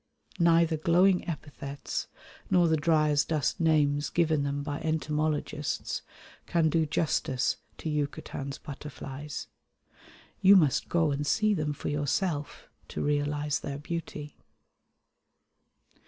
Neither glowing epithets nor the dry as dust names given them by entomologists can do justice to Yucatan's butterflies: you must go and see them for yourself to realise their beauty.